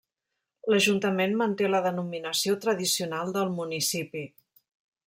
L'ajuntament manté la denominació tradicional del municipi.